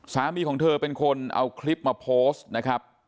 สามีของเธอเป็นคนเอาคลิปมาโพสต์นะครับ